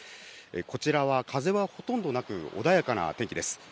こちらは風はほとんどなく、穏やかな天気です。